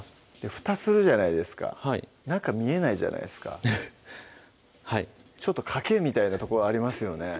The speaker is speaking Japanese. ふたするじゃないですか中見えないじゃないですかはいちょっと賭けみたいなところありますよね